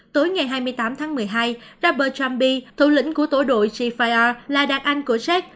tối ngày hai mươi tám tháng một mươi hai rapper jambi thủ lĩnh của tổ đội z fire là đàn anh của z